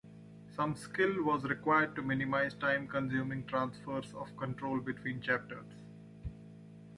Some skill was required to minimise time-consuming transfers of control between chapters.